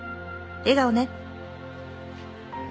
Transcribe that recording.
笑顔ね！」